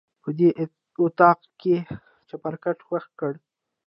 په دې اطاق کې چپرکټ خوښ کړه.